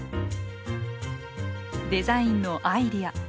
デザインのアイデア。